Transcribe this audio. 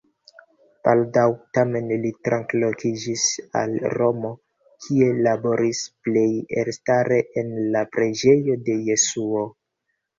Baldaŭ tamen li translokiĝis al Romo, kie laboris, plej elstare en la preĝejo de Jesuo.